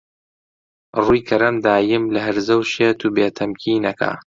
ڕووی کەرەم دایم لە هەرزە و شێت و بێ تەمکین ئەکا